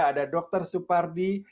ada dr supardi